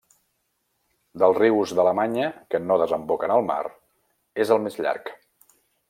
Dels rius d'Alemanya que no desemboquen al mar, és el més llarg.